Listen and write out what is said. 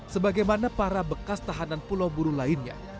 sebagaimana para bekas tahanan pulau buru lainnya